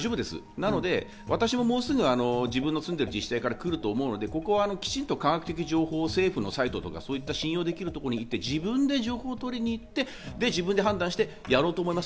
なので私ももうすぐ自分の住んでる自治体から来ると思うので、きちんと科学的情報を政府のサイトなどを自分で情報を取りに行って判断してやろうと思います。